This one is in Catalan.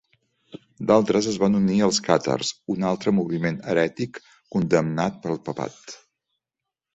D'altres es van unir als càtars, un altre moviment herètic condemnat pel papat.